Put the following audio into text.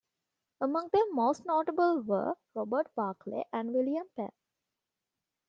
Among them most notably were Robert Barclay and William Penn.